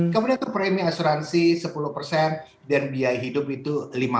kemudian itu premium asuransi sepuluh dan biaya hidup itu lima puluh